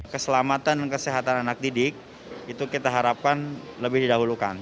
keselamatan dan kesehatan anak didik itu kita harapkan lebih didahulukan